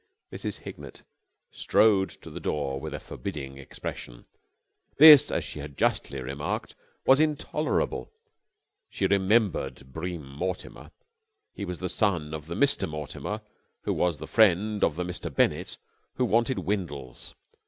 Mrs. Hignett strode to the door with a forbidding expression. This, as she had justly remarked, was intolerable. She remembered Bream Mortimer. He was the son of the Mr. Mortimer who was the friend of the Mr. Bennett who wanted Windles.